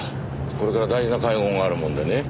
これから大事な会合があるもんでね。